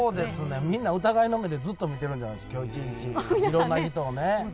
そうですね、みんな疑いの目でずっと見てるじゃないですか、きょう一日、いろんな人がね。